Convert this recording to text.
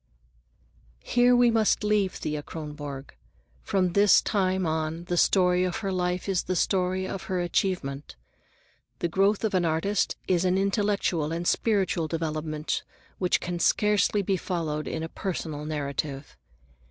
Here we must leave Thea Kronborg. From this time on the story of her life is the story of her achievement. The growth of an artist is an intellectual and spiritual development which can scarcely be followed in a personal narrative.